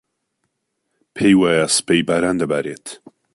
پێی وایە سبەی باران دەبارێت.